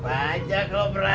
apa aja kalau berani